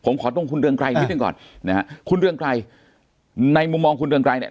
ผมขอตรงคุณเรืองไกรนิดหนึ่งก่อนนะฮะคุณเรืองไกรในมุมมองคุณเรืองไกรเนี่ย